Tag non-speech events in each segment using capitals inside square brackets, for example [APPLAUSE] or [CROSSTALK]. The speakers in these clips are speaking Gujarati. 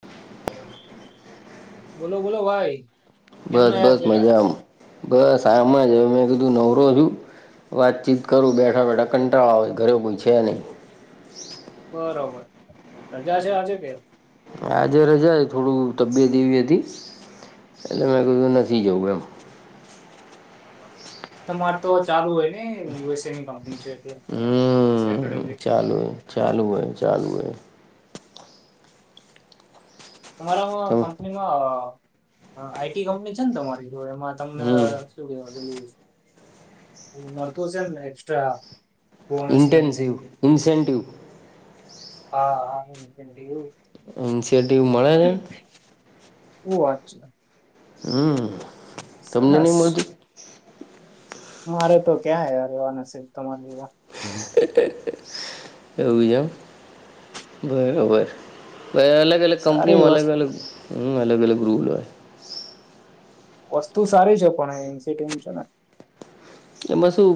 [INAUDIBLE] બોલો બોલો ભાઈ. બસ કેમને યાદ બસ કર્યા મજામાં. બસ આમ જ હવે મેં કીધું નવરો છું. વાતચીત કરું બેઠા બેઠા કંટાળો આવે ઘરે કોઈ છે નય. બરોબર. રજા છે આજે કે? આજે રજા થોડું તબિયત એવી હતી. એટલે મે કીધું નથી જવું એમ. તમારે તો ચાલુ હોય એ યુએસએની કંપની છે. એટલે સેટરડે હમ વીક. ચાલુ હોય ચાલુ હોય, ચાલુ હોય. અમારામાં તમે કંપનીમાં આઈટી કંપની છેને તમારી? જો એમાં તમને હમ શું કેવ [UNINTELLIGIBLE] એક્સ્ટ્રા. બોનસ ને એવું ઇન્ટેન્સિવ બધું? ઈસેન્ટિવ. હા હા. [UNINTELLIGIBLE] એનસીઆરતી મળેને. શું વાત છે. હમ, તમને ની સરસ મળતું. મારે તો ક્યાં યાર એવા નાસીબ તમારી જેવા. એવુજ એમ, બરોબર. અલગ અલગ સારી કંપનીઓમાં અલગ વસ્તુ અલગ હ અલગ અલગ રૂલ હોય. વસ્તુ સારી છે પણ એન્સીિડમ છેને. બસું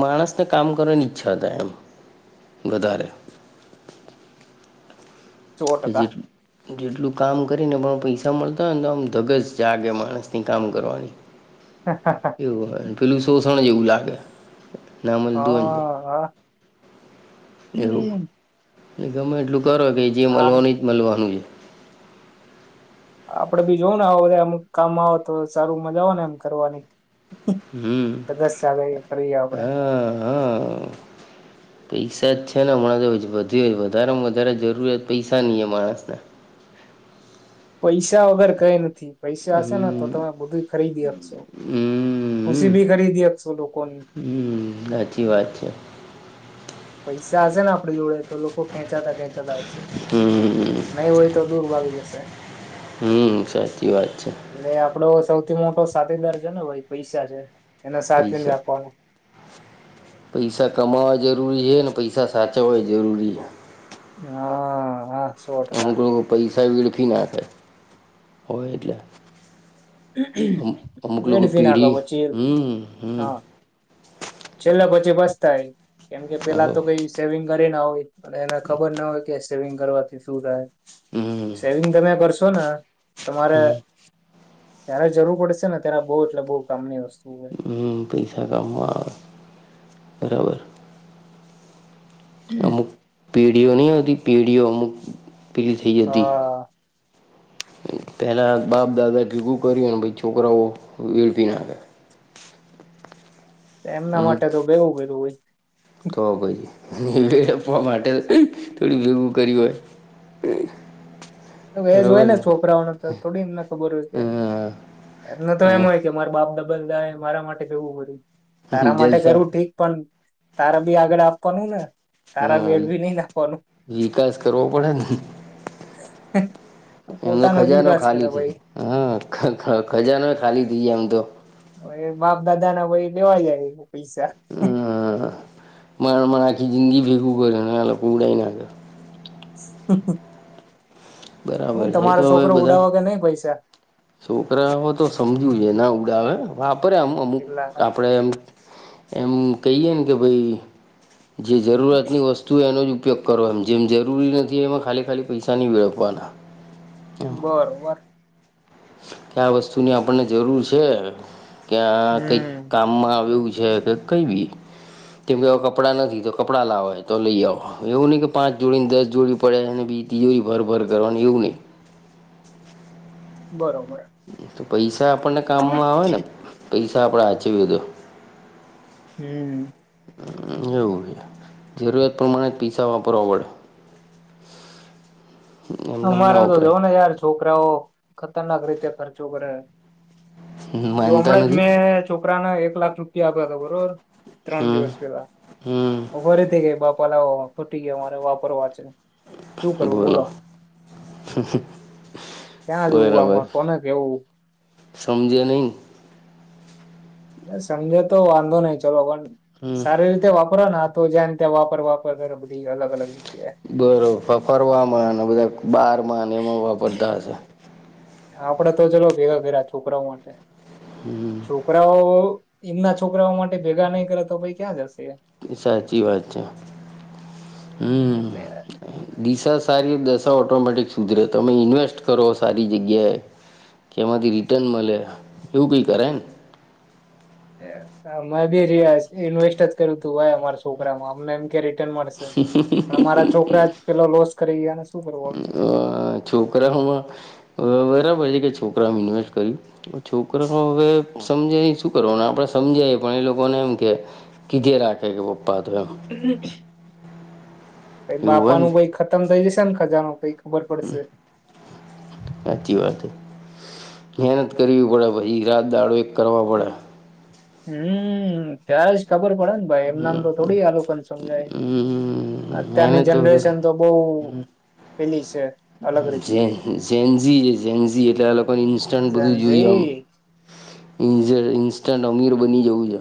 માણસને કામ કરવાની ઈચ્છા હતા એમ. ગદારે. સો કે જે ટકા જેટલું કામ. કરીને પણ પૈસા મળતા હોય ને તો આમ ધગસ જાગે માણસની કામ કરવાની. એવું હોય પેલું શોષણ જે એવું લાગે. ના મળતું હોય હા હા ને તો એવું હ. ગમે એટલું કરો કે જે મળવાનું જ મળવાનું છે. આપડે બી જોવ ને આવ વધારે અમુક કામ આવે તો સારું મજા આવે ને એમ કરવાની. હમ ધગસ ચાલે એ કરીએ આપડે હા હા. પૈસા જ છે ને હણા તો વધી હોય વધારેમાં વધારે જરૂરિયાત પૈસા નની એ માણસના. [INAUDIBLE] પૈસા વગર કઈ નથી પૈસા હશે ને તો હમ તમે બધું ખરીદી આપશો. હમ ખુશી હમ ભી કરી દી અસો લોકોની. હમ સાચી વાત છે. પૈસા હશેે ને આપડી જોડે તો. તો લોકો ખેંચાતા ખેંચાતા આવશે હમ નહી હોય તો દૂર ભાગી જશે. હમ સાચી વાત છે. એટલે આપડો સૌથી મોટો સાથીદાર છે ને ભ પૈસા છે એને સાચવીને પૈસા રાખવાનું. પૈસા કમાવા જરૂરી છે ને પૈસા સાચવવા જરૂરી છે. હા હા. સો ટકા અમુક લોકો પૈસા વળખી નાખાય હોય એટલે. અમક અમુક લોકોગુ વેડફી નાખો પીઢી પછી હ હ. છેલ્લા પછી બસ થાય કેમકે પેલા આવો તો કઈ સેવિંગ કરી ના હોય અને એને ખબર ના હોય કે સેવિંગ કરવાથી શું થાય હમ સેવિંગ તમે કરશો ને. તમારે જારે જરૂર પડશે ને ત્યારે બહ એટલે બહ કામની. હોય હમ પૈસા કામવા. બરાબર. અમુક પીઢીઓ નહતી પીઢીઓ અમુક પીડી થઈ જ હતી હા પહેલા બાપ દાદા ભેગું કર્યું ને ભ છોકરાઓ વેડફી નાખે. [INAUDIBLE] એમના અમુક માટે તો ભેગું ભેગું હોય. તો ભાઈ. વેડ આપવા માટે થોડી ભેગું કર હોય. વેજ હોય ને છોકરાઓને તો થોડીમને ખબર હોય કે. હા એમને તો એમ અમુક હોય કે મારે બાપ દા. મારા માટે જવું બધું તારા માટે જલસા કરવું ઠીક પણ. તારા બી આગળ આપવાનું ને. તારા હા બેડ બી નહી નાખવાનું વિકાસ કરવો પડેને. એમનો પોતાનો જ ખજાનો વિકાસ કરે ખાલી થ ભાઈ ગ હ ખજાનો ખાલી થઈ ગાય એમ તો. એ બાપ દાદા ના ભાઈ લેવાઈ જાય. પૈસા હ. મા મને આખી જિંદગી ભેગું કરે અનેને આ લોકો ઉડાવ નાખે. સતક. બરાબર છે તો હવે બધા ઉડાવો કે નહી પૈસા છોકરાઓ તો સમજુ છે ના. બ આવે વાપરે એમ અમુક એટલા આપણેે એમ. એમ કહીએ ને કે ભાઈ જે જરૂરતની વસ્તુય એનો જ. ઉપયોગ કરો એમ જેમ જરૂરી નથી એમાં ખાલી ખાલી પૈસા નહીં વળવવાના. બરોબર. કે આ વસ્તુની આપણને જરૂર છે કે્યા કઈક હમ કામમાં આવું છે. છેદ કઈવીી. કેમ કે હવે કપડાં નથી તો કપડાં લાવાય તો લઈ આવો એવું નહી કે પાંચ જોડીને દસ જોડી પડે અને બી ભર ભર કરવાની એવું નહી. બરોબર. તો પૈસા આપણને કામમાં આવેને પૈસા આપડે હાચવીધો. હમ. એવું છે જરૂરિયાત પ્રમાણે જ પીસા વાપરવા પડે. [INAUDIBLE] એમ ના અમારા તો વપરાય જોવોને યાર છોકરાઓ ખતરનાક રીતે ખર્ચો કરે. એ માનતા હમણાં જ નથી મેં છો પરાના એક લાખ રૂપિયા આપ્યા તો બરોબર ત્રણ હમ દિવસ પેલા હમ ફરીથી બા પલા ખોટી ગ મારે વાપરવા છે. શું કરવું બોલો. ક્યાં જવું બરાબર. આમાં કોને કેવું સમજે નહી. સમજો તો વાંધો નય ચલો પણ હમ સારી રીતે વાપરોને તો જ્યા વાપર વાપર અધી અલગ અલગ જ. બરોબર, ફરવાવામાં અને બધા બારમાં એમાં વાપરતા હશે. આપડે તો ચલો ભેગા કયરા છોકરાઓ માટે છોકરાઓ એમના છોકરાઓ માટે ભેગા નઈ કરે તો ભાઈ ક્યાં જશે. સાચી વાત છે. હમ, એટલે દિસા સારી દશા ઓટોમેટિક સુધરે તમે ઇન્વેસ્ટ કરો સારી જગ્યાએ એમાંથી રિટર્ન મલે એવું કઈ કરાયને. હા, મેંબી રિયા ઇન્વેસ્ટ જ કર્યુંતું એમ. છોકરામાં અમને એમ કે રિટર્ન મળશે પણ અમારા છોકરા પે લોસ કરી ગયાને અ છોકરા હવે બરાબર છેકે છોકરામાં ઇન્વેસ્ટ કર છોકરા હવે સમજે શું કરવા આપણેે સમજાય. પણ એ લોકોને એમ કે કીધે રાખે પણ [UNINTELLIGIBLE] એવું હોય ને બાપાનું ભાઈ ખતમ થઇ જશેને ખજાનું કંઈક. ઉપબર પડશે. સાચી વાત હે. મહેનત કરવી પડે પછી રાત દાડો એક કરવા પડે. હમ, ત્યારે જ ખબર પડે ને ભાઈ એમનામ હમ તો થોડી આલોકન સમજાય. હમ એને અત્યારની તો જનરેશન તો બો [INAUDIBLE] ઝેનઝી ઝેનઝી એટલે આ લોકોને ઇન્સ્ટન્ટ બધું જોય એક. ઇન્સ્ટન્ટ અમીર બની જવું છે.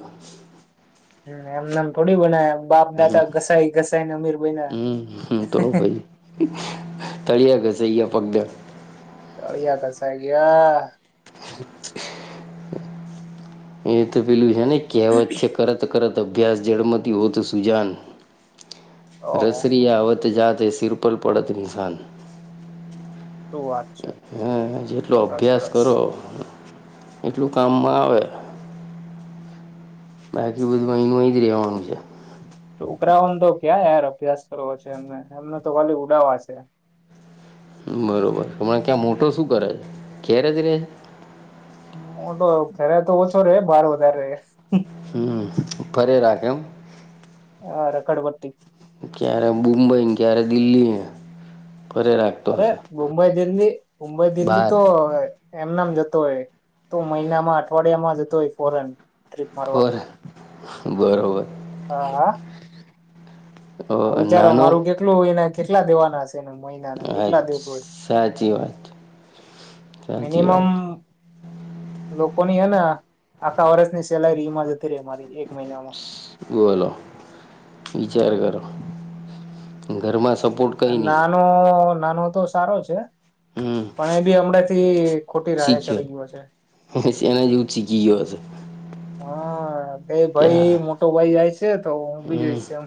એમનેમ થોડી બના એમ. બાપ દાદા ઘસાઈ ઘસાઈને અમીર બયના. હમ તો પહી તળિયા ઘસાઈ ગયા પણ તે. તળિયા ધસાઈ ગયા. [INAUDIBLE] એતો પેલું છેને કહેવત છે. કરત કરત અભ્યાસ જળમતી હોતો સુજાન. ઓહો રસરીયા અવત જાતે સરપલ પડત નિશાન. શું વાત છે હા, જેટલો સરસ અભ્યાસ સરસ કરો. એટલું કામમાં આવે. [UNINTELLIGIBLE] રહેવાનું છે. છોકરાઓન તો ક્યા યાર. અભ્યાસ કરવો છે એમને એમને તો ખાલી ઉડાવા છે. બરોબર. હમણાં ક્યાં મોટો શું કરે છે. ધેરે જ રેય? મોટો ઘરે તો ઓછો રેય બાર વધારે રે. હમ, ઉપરે રાખે એમ. હા રકડબતી ક્યારે મુંબઈ ક્યારે દિલ્હી ફરે રાખતો અરે હશે. મુંબઈ દિલ્હી મુંબઈ દિલ્લી બહાર તો એમ ન એમ જત તોએ મહિનામાં અઠવાડિયામાં જતો હોય ફોરેન. ટ્રીપ મારવા ફરે બરોબર હા હા. ઓ વિચારો નાનો મારું કેટલું હોય ને કેટલા દેવાના છે. મહિનાના હા કેટલા [UNINTELLIGIBLE] દિવોષ સાચી વાત સાચી મિનિમમ વાત લોકોની હને આખા વર્ષની સેલારી એમાં જતી રે મારી એક મહિનામાં બોલો વિચાર કરો ઘરમાં સપોર્ટ કંઈ નહીં નાનો નાનો તો સારો છે હમ પણ એ બી હમણાં થી ખોટી રાહે ચડી ગયો છે શીખ્યો એના જેવું શીખી ગયો હશે. કે ભાઈ ક્યાં મોટો ભાઈ જાય છે તો ઊભી હમ જયશ એમ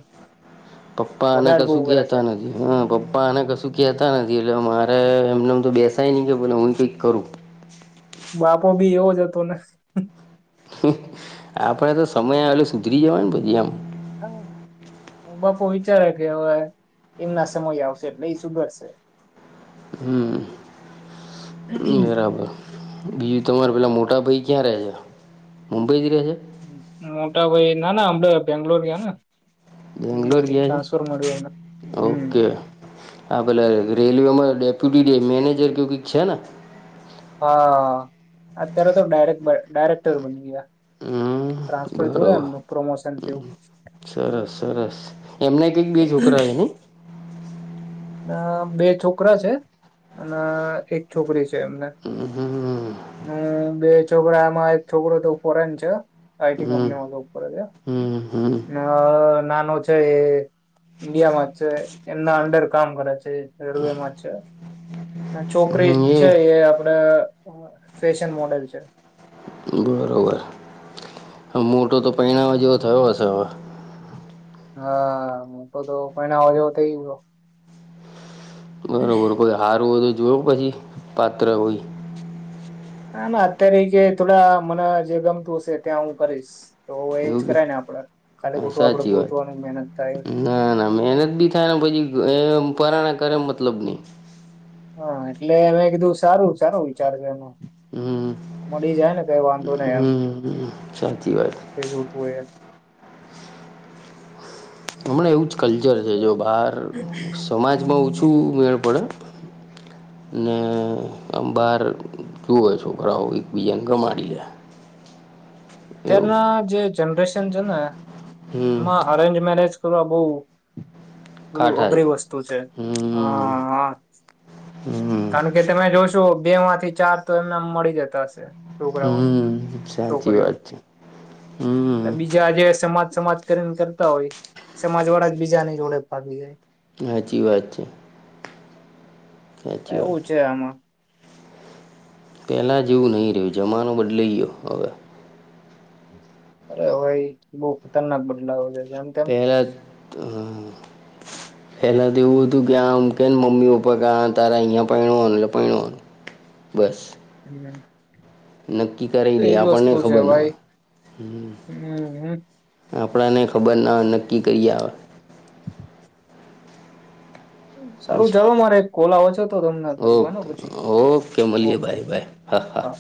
પપ્પા આને વધારે કશું બહુ કરે છે કેતા નથી હ પપ્પા આને કશું કેતા નથી એટલે મારે એમનેમ તો બેસ સાય ની કે બના હું કક કરુ બાપો બી એવોજ હતો ને. આપડે તો સમય આવેલો સુધરી જવાય ને પછી આમ હું બાપુ વિચારે કે હવે એમના સમય આવશે એટલે એ સુધરશે હમ્મ બરાબર. બીજું તમારે પેલા મોટા ભાઈ ક્યાં ર છે મુંબઈ રહે છે મોટા ભાઈ ના ના અમડ બેંગ્લોર ગયા ને મુંબઈ બેંગ્લોર થી ગયા છે ટ્રાન્સફર મળ્યું એમને હમ્મ. ઓકે હા પેલા રેલવેમાં ડેપ્યુટી મેનેજર કે કઈક છે ને. હા અત્યારે તો ડરેક્ટ ડાયરેક્ટર બની ગયા. હમ્મ. ટ્રાન્સફર થયું ને એમનું પ્રમોશન થયું. સરસ સરસ એમના કઈક બે છોકરા છે ને. અ બે છોકરા છે અને એક છોકરી છે. હમ્મ. હ બે છોકરામાં એક છોકરો તો ફોરેન છે હ. આઈ ટી હમ કંપનીમાં જોબ કરે છે હ. હમ હમ અ નાનો છે એ ઈન્ડિયામાંજ છે એમના અંંડર કામ કરે છે. રલવેમાં જ છે અને છોકરી છે એ આપ ડ ફેશન મોડલ છે. બરોબર. મોટો તો પહેણાવા જેવો થયો હશે હવે. હા હ મોટો તો પહણાવા જેવો થઈ ગયો. બરોબર કોઈ હારુ હોય તો જોય પછી પાત્ર કોઈ. ના ના અત્યારે કે થોડા મને જે ગમતું હશે ત્યાં હું કરીશ. તો એજ એવું કે કરાય ને આપડે ખાલી હા ખોટું આપડે સાચી વાત પોતવાનું મહેનત થાય ના ના મહેનત બી થાય પછી એમ પરાણા કરે મતલબ નહીં હા એટલે અમે કીધું સારું સારું વિચાર છે એનો. હમ્મ. મડી જાય ને કઈ વાંધો નહી એમ સાચી વાત એ જોતું હોય. હમણાં એવું જ કલ્ચર છે એ. જો બહાર સમાજમાં ઓછું મેળ પડે. હ [UNINTELLIGIBLE] ને આમ બાર જોએ છોકરાઓ એકબીજાને ગમાડી લે. [INAUDIBLE] એવું અત્યારના જે જનરેશન છે ને હમ એમાં અરેન્જ મેરેજ કરવા બહ પેલુ કાંઠા છે અઘરી વસ્તુ છે હ હમ હા. હમ કારણ કે તમે જોશો બે માંથી ચાર તો એમને મળી જતા હશે છોકરાઓને. હમ સાચી છોકરીઓ વાત છે હમ બીજાજે સમા સમાજ કરીને કરતા હોય સમાજ વાળા જ બીજાની જોડે પાાગી જાય. સાચી વાત છે. સાચી એવું વાત છે આમાં. પેલા જેવું નહીિ રહ્યું જમાનું બદલાઈ ગયો હવે. અરે હોય બહ ખતરનાક બદલાવ છે. જેમ તેમ પહેલા તો. પેલા તો એવું હતું કે આમ કે ને મમ્મી પપ્પા કા તારા અહીંયા પૈણનું એટલે પનું. બસ. નક્કી કરાવ દે એજ આપણને વસ્તુ છે ખબર ના હો ભાઈ હમ. હમ આપણાને ખબર ન હોય નક્કી કરી આવે. સારું જાલ મારે કોલા હો છે. તો રમ કરનો ઓકે પછી ઓકે મળીએ ઓકે બાય બાય હા.